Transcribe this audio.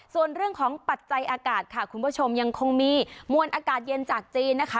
ส่วนเรื่องของปัจจัยอากาศค่ะคุณผู้ชมยังคงมีมวลอากาศเย็นจากจีนนะคะ